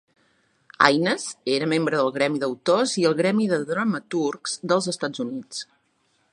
Haines era membre del Gremi d'autors i el Gremi de dramaturgs dels Estats Units.